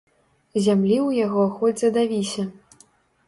Зямлі ў яго хоць задавіся.